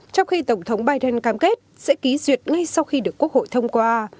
trong khi tổng thống biden cam kết sẽ ký duyệt ngay sau khi được quốc hội thông qua